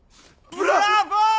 ブラボー！